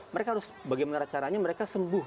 mereka harus bagaimana caranya mereka sembuh